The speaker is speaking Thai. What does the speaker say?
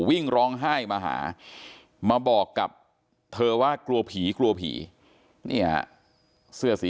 แม่น้องชมพู่แม่น้องชมพู่แม่น้องชมพู่แม่น้องชมพู่